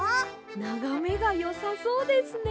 ながめがよさそうですね！